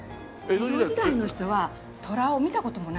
江戸時代の人は虎を見た事もない。